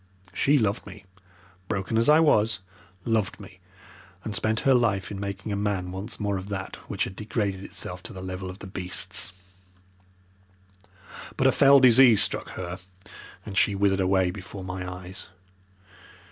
She loved me, broken as I was, loved me, and spent her life in making a man once more of that which had degraded itself to the level of the beasts. "But a fell disease struck her, and she withered away before my eyes.